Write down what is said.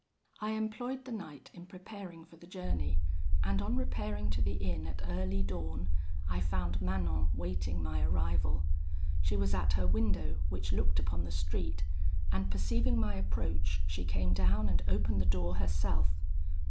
"I employed the night in preparing for the journey, and on repairing to the inn at early dawn, I found Manon waiting my arrival. She was at her window, which looked upon the street, and perceiving my approach, she came down and opened the door herself.